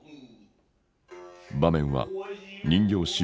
場面は人形師